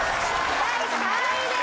第３位です！